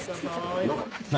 何？